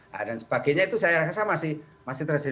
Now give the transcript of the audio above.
nah dan sebagainya itu saya rasa masih terjadi pelayanan yang menghabiskan